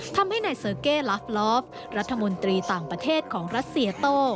ทำให้นายเซอร์เก้ลาฟลอฟรัฐมนตรีต่างประเทศของรัสเซียโต้